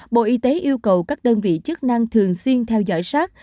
bộ y tế yêu cầu các đơn vị chức năng thường xuyên theo dõi sát